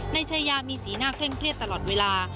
นายชายามีสีหน้าเคร่งเครียดตลอดเวลา